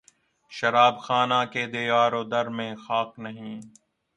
شراب خانہ کے دیوار و در میں خاک نہیں